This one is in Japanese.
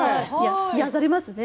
癒やされますね。